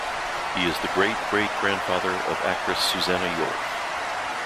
He is the great-great grandfather of actress Susannah York.